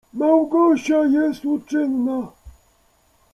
Małgosia jest uczynna.